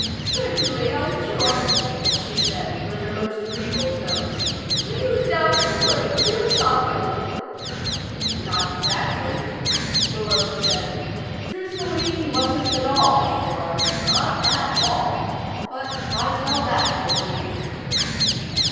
"Certainly I'm sure," she said, with her most regal tones. "Do you doubt the word of your sovereign?" "Not exactly," Malone said. Truthfully, he wasn't at all sure. Not at all. But why tell that to the Queen?